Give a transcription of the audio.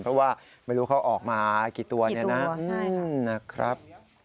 เพราะว่าไม่รู้เขาออกมากี่ตัวเนี่ยนะครับ